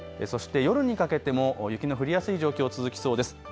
そして夜にかけても雪の降りやすい状況、続きそうです。